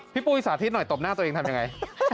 ปุ้ยสาธิตหน่อยตบหน้าตัวเองทำยังไง